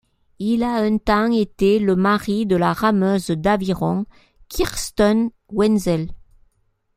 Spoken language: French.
Il a un temps été le mari de la rameuse d'aviron Kirsten Wenzel.